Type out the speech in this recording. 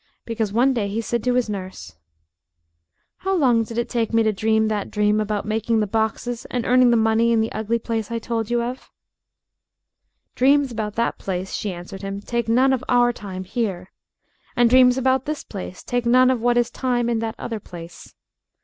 Because one day he said to his nurse "How long did it take me to dream that dream about making the boxes and earning the money in the ugly place I told you of?" "Dreams about that place," she answered him, "take none of our time here. And dreams about this place take none of what is time in that other place."